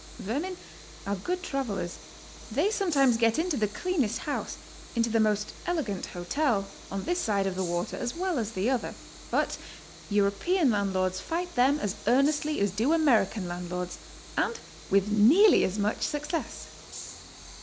Vermin are good travelers; they sometimes get into the cleanest house, into the most elegant hotel, on this side of the water as well as the other. But European landlords fight them as earnestly as do American landlords, and with nearly as much success.